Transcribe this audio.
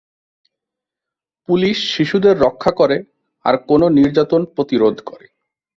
Police শিশুদের "রক্ষা" করে, আর কোন নির্যাতন প্রতিরোধ করে।